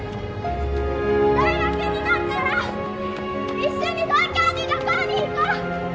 大学になったら一緒に東京に旅行に行こう！